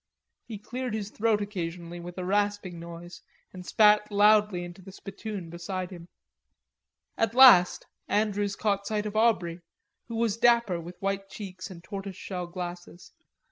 He cleared his throat occasionally with a rasping noise and spat loudly into the spittoon beside him. At last Andrews caught sight of Aubrey, who was dapper with white cheeks and tortoise shell glasses.